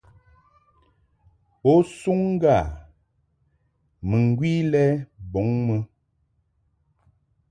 Bo suŋ ŋga mɨŋgwi lɛ bɔŋ mɨ.